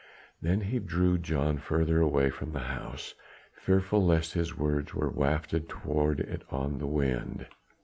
Then he drew Jan further away from the house, fearful lest his words were wafted toward it on the wind.